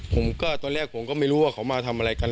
ตอนแรกผมก็ไม่รู้ว่าเขามาทำอะไรกัน